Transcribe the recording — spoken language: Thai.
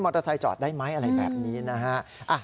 เตอร์ไซค์จอดได้ไหมอะไรแบบนี้นะฮะ